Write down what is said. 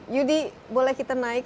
yudi boleh kita naik